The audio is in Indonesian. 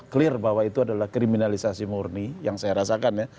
clear bahwa itu adalah kriminalisasi murni yang saya rasakan ya